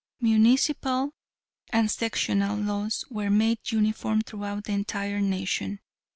Municipal and sectional laws were made uniform throughout the entire nation.